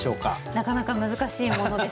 なかなか難しいものですね。